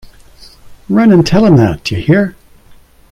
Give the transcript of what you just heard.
Run and tell him that; d’ye hear?